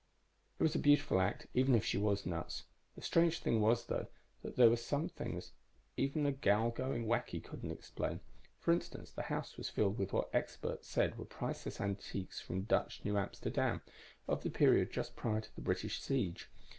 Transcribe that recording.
"It was a beautiful act, even if she was nuts. The strange thing was, though, that there were some things even a gal going whacky couldn't explain. For instance, the house was filled with what the experts said were priceless antiques from Dutch New Amsterdam, of the period just prior to the British siege.